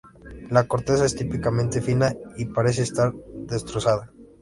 La corteza es típicamente fina y parece estar "destrozada".